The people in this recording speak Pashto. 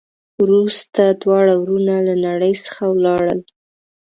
وروسته دواړه ورونه له نړۍ څخه ولاړل.